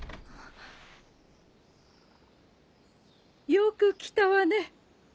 よく来たわね。